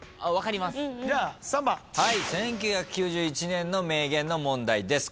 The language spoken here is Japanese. １９９１年の名言の問題です。